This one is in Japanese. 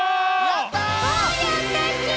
やったち！